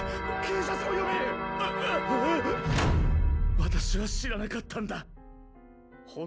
わたしは知らなかったんだッ！